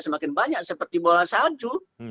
semakin banyak seperti bawah saju